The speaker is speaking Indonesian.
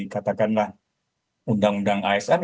katakanlah undang undang asn